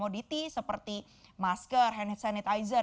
di t seperti masker hand sanitizer